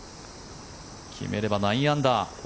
決めれば９アンダー。